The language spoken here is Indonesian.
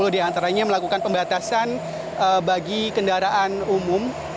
sepuluh diantaranya melakukan pembatasan bagi kendaraan umum